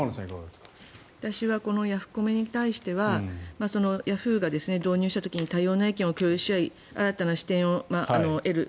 私はこのヤフコメに対してはヤフーが導入した時に多様な意見を共有し合い新たな視点を得る。